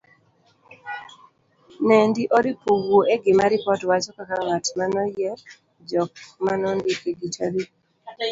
Nendi oripo wuo e gima ripot wacho ,kaka ngat manoyier, jok manondike gi tarik.